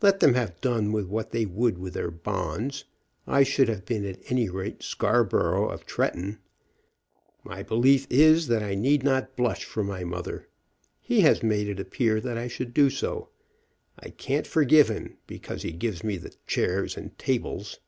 Let them have done what they would with their bonds, I should have been, at any rate, Scarborough of Tretton. My belief is that I need not blush for my mother. He has made it appear that I should do so. I can't forgive him because he gives me the chairs and tables."